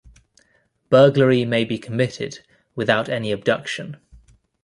Burglary may be committed without any abduction.